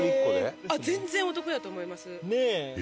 全然お得だと思います。